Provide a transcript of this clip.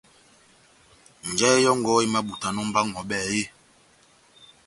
Njahɛ yɔ́ngɔ emabutanɔ mba ó ŋʼhɔbɛ eeeh ?